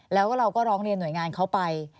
แล้วก็เราก็ร้องเรียนหน่วยงานเขาไป